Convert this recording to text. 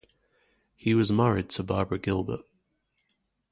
He was married to Barbara Gilbert.